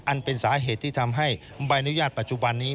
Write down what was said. เป็นสาเหตุที่ทำให้ใบอนุญาตปัจจุบันนี้